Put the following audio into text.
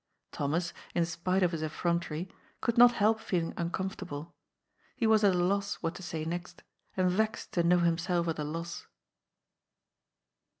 Thomas, in spite of his effrontery, could not help feeling uncomfortable. He was at a loss what to say next, and vexed to know himself at a loss.